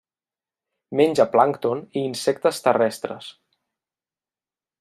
Menja plàncton i insectes terrestres.